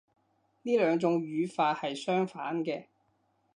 呢兩種語法係相反嘅